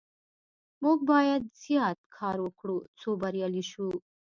موږ باید زیات کار وکړو څو بریالي شو.